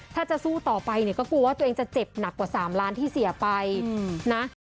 ถ้าจะสู้ต่อไปเนี่ยก็กลัวว่าตัวเองจะเจ็บหนักกว่า๓ล้านที่เสียไปนะ